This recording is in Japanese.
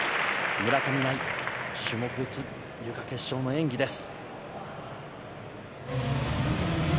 村上茉愛種目別ゆか決勝の演技です。